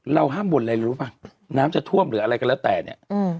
ห้ามบ่นอะไรรู้ป่ะน้ำจะท่วมหรืออะไรก็แล้วแต่เนี่ย